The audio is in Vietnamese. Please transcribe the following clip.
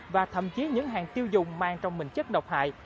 và thậm chí những hàng tiêu dùng mang trong mình chất độc hại